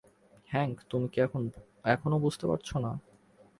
Hank, তুমি কি এখনো বুঝতে পারছো না?